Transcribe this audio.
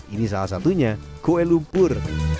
ini salah satunya kue lumpur